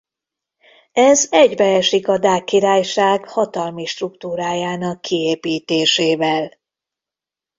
Ez egybeesik a Dák Királyság hatalmi struktúrájának kiépítésével.